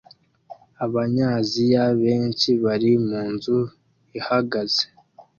Abanyaziya benshi bari munzu ihagaze